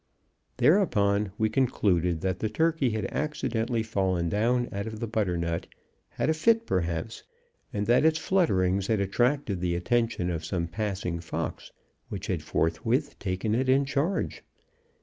Thereupon we concluded that the turkey had accidentally fallen down out of the butternut had a fit, perhaps and that its flutterings had attracted the attention of some passing fox, which had, forthwith, taken it in charge.